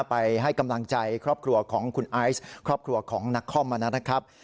ไปให้กำลังใจครอบครัวของคุณไอซ์ครอบครัวของนักคอมมานะครับ